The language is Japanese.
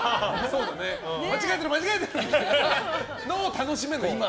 間違えてる、間違えてる！っていうのを楽しめる、今。